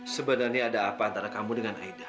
sebenarnya ada apa antara kamu dengan aida